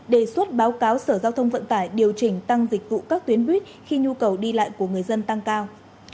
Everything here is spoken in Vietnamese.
đề xuất báo cáo sở giao thông vận tải điều chỉnh tăng dịch vụ các tuyến buýt khi nhu cầu đi lại của người dân tăng cao